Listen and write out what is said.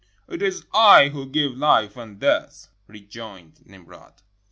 — "It is I who give hfe and death," rejoined Nimrod.